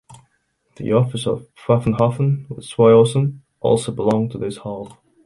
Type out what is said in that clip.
The Office of Pfaffenhofen with Schweighausen also belonged to this half.